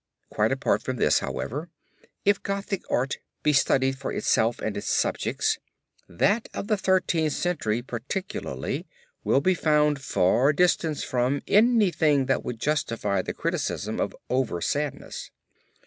Quite apart from this, however, if Gothic art be studied for itself and in its subjects, that of the Thirteenth Century particularly will be found far distant from, anything that would justify the criticism of over sadness.